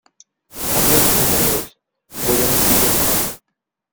Adiós, mis amigos. Voy a un sitio mejor .